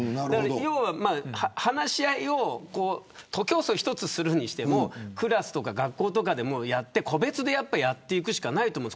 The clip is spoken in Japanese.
要は話し合いを徒競走一つするにしてもクラスとか学校でも個別でやっていくしかないと思う。